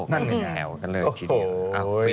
ก็ใหนแถวกันเลยทีเดียว